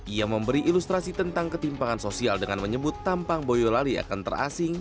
ia memberi ilustrasi tentang ketimpangan sosial dengan menyebut tampang boyolali akan terasing